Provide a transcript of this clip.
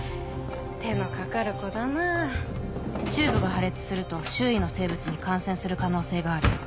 手のかかるコだなぁチューブが破裂すると周囲の生物に感染する可能性がある。